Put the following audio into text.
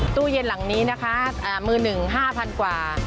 ตู้เย็นหลังนี้นะคะมือหนึ่ง๕๐๐๐กว่า